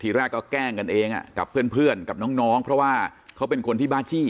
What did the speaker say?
ทีแรกเขาแกล้งกันเองอ่ะกับเพื่อนเพื่อนกับน้องน้องเพราะว่าเขาเป็นคนที่บ้าจี้